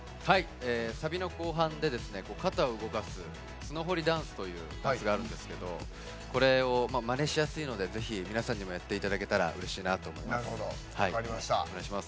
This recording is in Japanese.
サビの後半で肩を動かすスノホリダンスというダンスがあるんですけどまねしやすいので皆さんにもぜひやっていただきたいと思います。